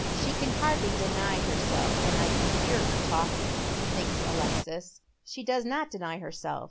" She can hardly deny herself when I can hear her talking," thinks Alexis. She does not deny herself.